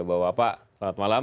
bapak selamat malam